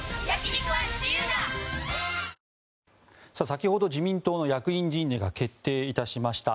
先ほど自民党の役員人事が決定いたしました。